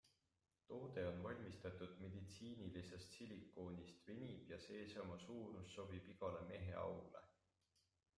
Toode on valmistatud meditsiinilisest silikoonist, venib ja seesama suurus sobib igale meheaule.